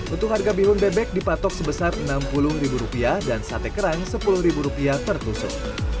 untuk harga bihun bebek dipatok sebesar enam puluh rupiah dan sate kerang sepuluh rupiah per tusuk